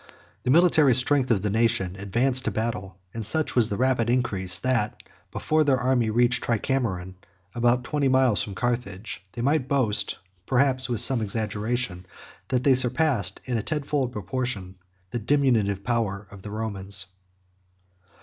The military strength of the nation advanced to battle; and such was the rapid increase, that before their army reached Tricameron, about twenty miles from Carthage, they might boast, perhaps with some exaggeration, that they surpassed, in a tenfold proportion, the diminutive powers of the Romans.